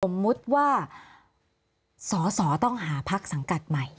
สมมุติว่าสอสอต้องหาพักสังกัดใหม่